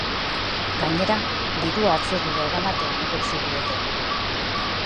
Gainera, dirua atzerrira eramatea egotzi diote.